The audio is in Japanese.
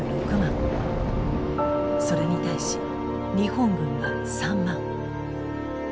それに対し日本軍は３万。